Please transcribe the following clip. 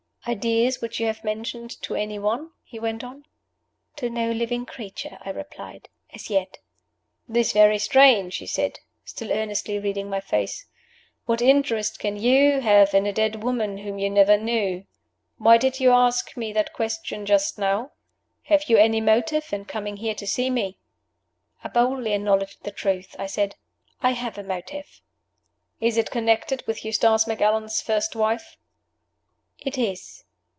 "Ideas which you have mentioned to any one?" he went on. "To no living creature," I replied "as yet." "This very strange!" he said, still earnestly reading my face. "What interest can you have in a dead woman whom you never knew? Why did you ask me that question just now? Have you any motive in coming here to see me?" I boldly acknowledged the truth. I said, "I have a motive." "Is it connected with Eustace Macallan's first wife?" "It is."